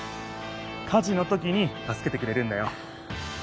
火じのときにたすけてくれるんだよ。